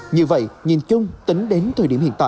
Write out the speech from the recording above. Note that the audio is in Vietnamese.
như vậy nhìn chung tính đến thời điểm hiện tại